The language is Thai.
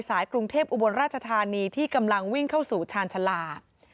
กรุงเทพอุบลราชธานีที่กำลังวิ่งเข้าสู่ชาญชาลา